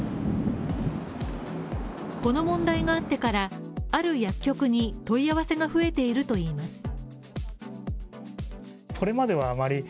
この問題があってから、ある薬局に問い合わせが増えているといいます。